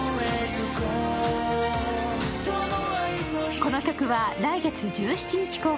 この曲は来月１７日公開